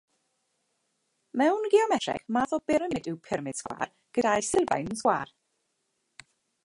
Mewn geometreg, math o byramid yw pyramid sgwâr, gyda'i sylfaen yn sgwâr.